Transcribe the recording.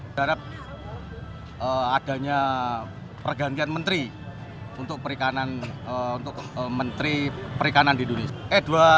saya harap adanya pergantian menteri untuk menteri perikanan di indonesia